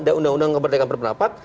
dan undang undang keberdayaan perpendapat